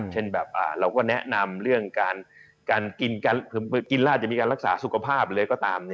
เช่นแบบเราก็แนะนำเรื่องการกินการรักษาสุขภาพเลยก็ตาม